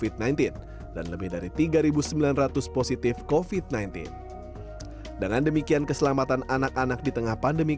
dan lebih dari tiga ribu sembilan ratus positif covid sembilan belas dengan demikian keselamatan anak anak di tengah pandemi